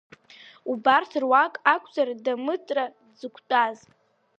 Убарҭ руак акәзар Дамытра дзықәтәаз?